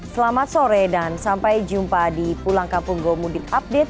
selamat sore dan sampai jumpa di pulang kampung go mudik update